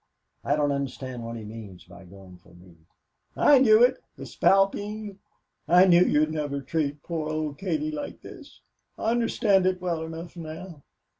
I don't understand what he means by going for me." "I knew it, the spalpeen. I knew you'd never treat poor old Katie like this. I understand it well enough, now.